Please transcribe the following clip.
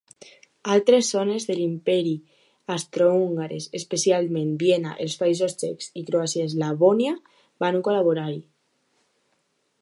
Altres zones de l'Imperi Austrohongarès, especialment Viena, els Països Txecs i Croàcia-Eslavònia, van col·laborar-hi.